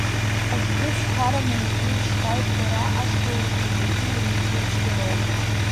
Акгьы зхарам ауаҩы ишьра, итҟәара ацәгьоурақәа зегьы иреицәоу цәгьароуп.